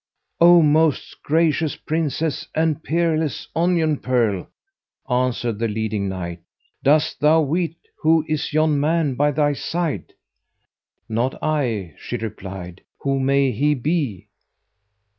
"O most gracious Princess and peerless union pearl," answered the leading Knight, "dost thou weet who is yon man by thy side?" "Not I," she replied, "who may he be?"